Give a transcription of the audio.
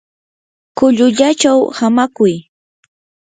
kullullachaw hamakuy.